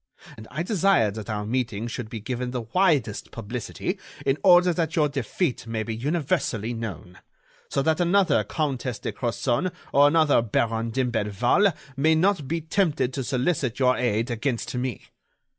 And I desired that our meeting should be given the widest publicity in order that your defeat may be universally known, so that another Countess de Crozon or another Baron d'Imblevalle may not be tempted to solicit your aid against me.